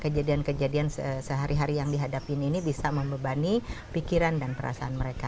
kejadian kejadian sehari hari yang dihadapin ini bisa membebani pikiran dan perasaan mereka